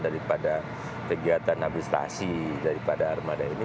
daripada kegiatan administrasi daripada armada ini